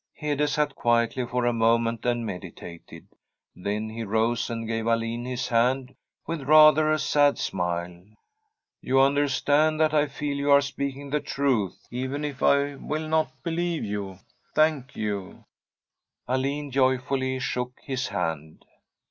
Hede sat quietly for a moment, and meditated. Then he rose and gave Alin his hand with rather a sad smile. ' You understand that I feel you are speaking the truth, even if I wUl not believe your Thanks.' Alin joyfully shook his hand.